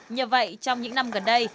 như vậy trong những năm gần đây